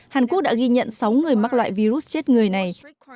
hàn quốc đã ghi nhận sáu người mắc loại virus chết người này